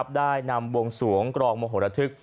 ได้นำวงส่วงกรองมโมโฮลพฤษ